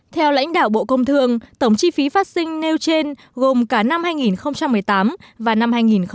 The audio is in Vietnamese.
theo lãnh đạo bộ công thương tổng chi phí phát sinh nêu trên gồm cả năm hai nghìn một mươi tám và năm hai nghìn một mươi chín